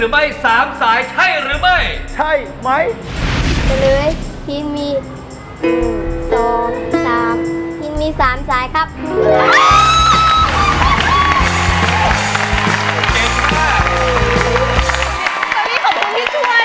ไม่ได้ช่วยอะไร